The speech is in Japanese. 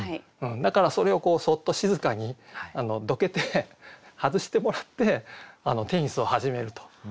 だからそれをそっと静かにどけて外してもらってテニスを始めると。